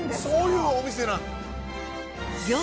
そういうお店なんです。